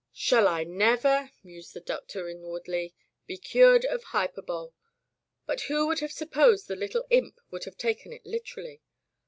"Shall I never," mused the Doctor in wardly, "be cured of hyperbole! But who would have supposed the little imp would have taken it literally!